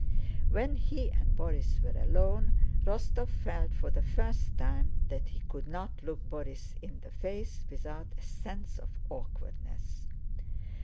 When he and Borís were alone, Rostóv felt for the first time that he could not look Borís in the face without a sense of awkwardness.